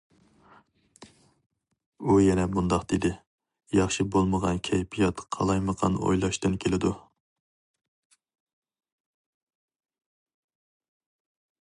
ئۇ يەنە مۇنداق دېدى: ياخشى بولمىغان كەيپىيات قالايمىقان ئويلاشتىن كېلىدۇ.